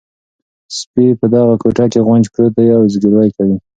سپي په دغه کوټه کې غونج پروت دی او زګیروی کوي.